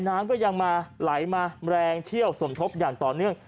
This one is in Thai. น้ำก็ยังมาไหลมาแรงเชี่ยวสมทบอย่างต่อเนื่อง